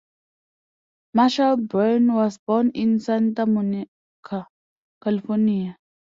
Marshall Brain was born in Santa Monica, California.